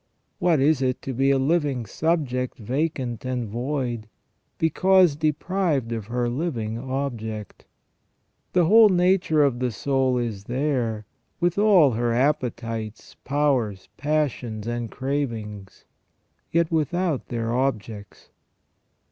What is it to be a living subject vacant and void, because deprived of her living object? The whole nature of the soul is there, with all her appetites, powers, passions, and cravings; yet without their objects.